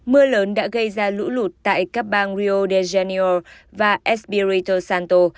mưa lớn đã gây ra lũ lụt tại các bang rio de janeiro và espirito santo